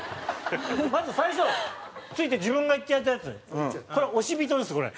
まず最初撞いて自分がいっちゃったやつ押し人ですこれ。